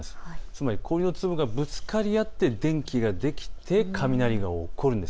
つまり氷の粒がぶつかり合って電気ができて雷が起こる。